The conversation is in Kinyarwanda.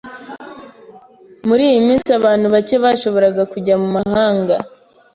Muri iyo minsi, abantu bake bashoboraga kujya mu mahanga.